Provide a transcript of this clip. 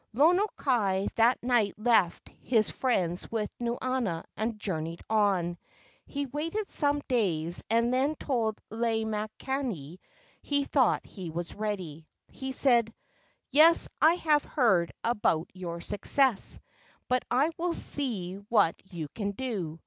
Lono kai that night left his friends with Nuanua and journeyed on. He waited some days and then told Lei makani he thought he was ready. He said: "Yes, I have heard about your success, but I will see what you can do.